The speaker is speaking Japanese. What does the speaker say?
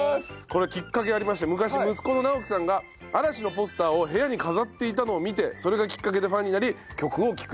これきっかけがありまして昔息子の直樹さんが嵐のポスターを部屋に飾っていたのを見てそれがきっかけでファンになり曲を聴くようになった。